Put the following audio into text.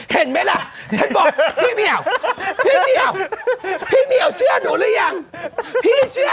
เขาบอกว่าพี่หนุ่มไปไหน